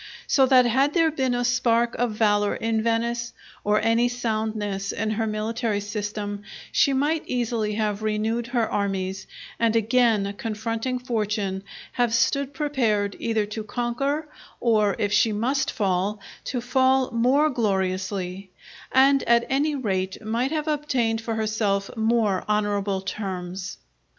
So that had there been a spark of valour in Venice, or any soundness in her military system, she might easily have renewed her armies, and again confronting fortune have stood prepared either to conquer, or, if she must fall, to fall more gloriously; and at any rate might have obtained for herself more honourable terms.